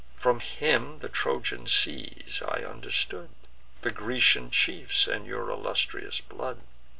From him the Trojan siege I understood, The Grecian chiefs, and your illustrious blood.